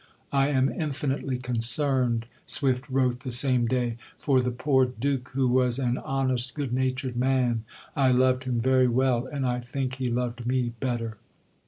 "I am infinitely concerned," Swift wrote the same day, "for the poor Duke, who was an honest, good natured man. I loved him very well, and I think he loved me better."